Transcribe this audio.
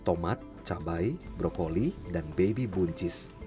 tomat cabai brokoli dan baby buncis